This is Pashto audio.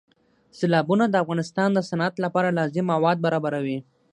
سیلابونه د افغانستان د صنعت لپاره لازم مواد برابروي.